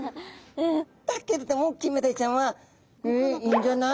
だけれどもキンメダイちゃんは「えっ？いいんじゃない？